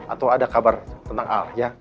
atau ada kabar tentang al ya